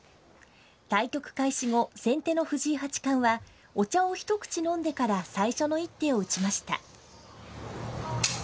対局開始後、先手の藤井八冠はお茶を一口飲んでから最初の一手を打ちました。